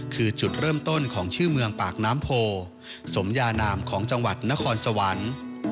คือจุดเริ่มต้นของชื่อเมืองปากน้ำโพสมยานามของจังหวัดนครสวรรค์